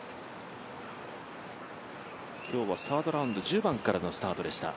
今日はサードラウンド、１０番からのスタートでした。